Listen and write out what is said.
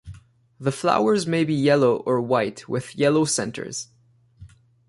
The flowers may be yellow or white with yellow centers.